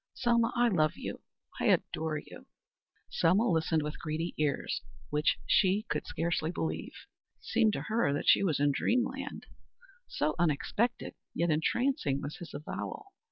Selma, I love you I adore you." Selma listened with greedy ears, which she could scarcely believe. It seemed to her that she was in dream land, so unexpected, yet entrancing, was his avowal.